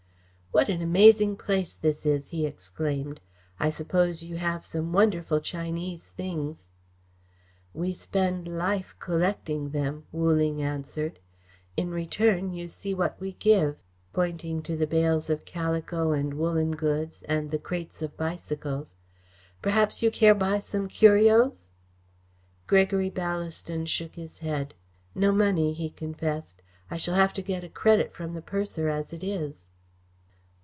"What an amazing place this is!" he exclaimed. "I suppose you have some wonderful Chinese things." "We spend life collecting them," Wu Ling answered. "In return you see what we give," pointing to the bales of calico and woollen goods and the crates of bicycles. "Perhaps you care buy some curios?" Gregory Ballaston shook his head. "No money," he confessed. "I shall have to get a credit from the purser as it is."